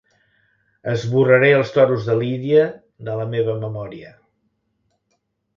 Esborraré els toros de lídia de la meva memòria.